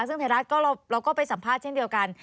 ซึ่งไทยรัฐเราก็ไปสัมภาษณ์เช่นเดียวกัน